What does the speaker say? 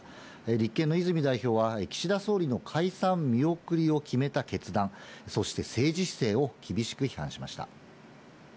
立憲の泉代表は、岸田総理の解散見送りを決めた決断、そして、政治姿勢を厳しく批判しました。